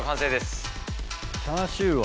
「チャーシューは」。